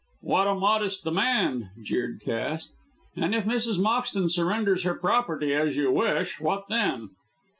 "What a modest demand," jeered Cass. "And if Mrs. Moxton surrenders her property as you wish, what then?"